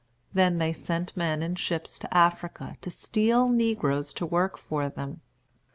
Then they sent men in ships to Africa to steal negroes to work for them.